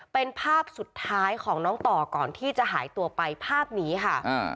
เป็นภาพสุดท้ายของน้องต่อก่อนที่จะหายตัวไปภาพนี้ค่ะอ่า